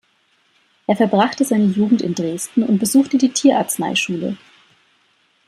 Er verbrachte seine Jugend in Dresden und besuchte die Tierarzneischule.